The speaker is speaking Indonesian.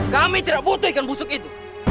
kami tidak butuh ikan busuk itu